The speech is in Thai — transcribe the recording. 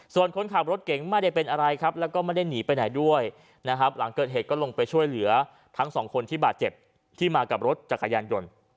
ส่วนคนขับรถเก่งไม่ได้เป็นอะไรครับแล้วก็ไม่ได้หนีไปไหนด้วยนะครับหลังเกิดเหตุก็ลงไปช่วยเหลือทั้งสองคนที่บาดเจ็บที่มากับรถจักรยานยนต์